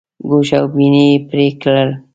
ګوش او بیني یې پرې کړل.